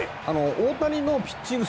大谷のピッチング